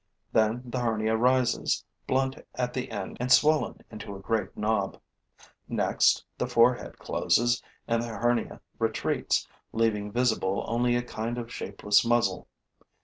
Then the hernia rises, blunt at the end and swollen into a great knob. Next, the forehead closes and the hernia retreats, leaving visible only a kind of shapeless muzzle.